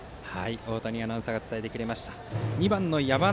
大谷アナウンサーが伝えてくれました。